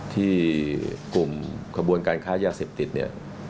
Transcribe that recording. ที่กลุ่มขบวนการค้ายาเสพติฯ